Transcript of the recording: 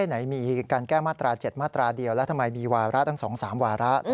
ไหนมีการแก้มาตรา๗มาตราเดียวแล้วทำไมมีวาระทั้ง๒๓วาระ